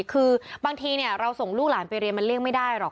คือบางทีเราส่งลูกหลานไปเรียนมันเลี่ยงไม่ได้หรอก